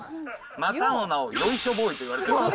またの名をよいしょボーイといわれてる。